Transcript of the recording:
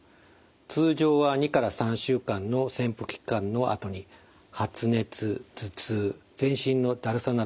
通常は２から３週間の潜伏期間のあとに発熱頭痛全身のだるさなどの症状が現れます。